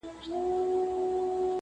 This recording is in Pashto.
دړي وړي زړه مي رغومه نور .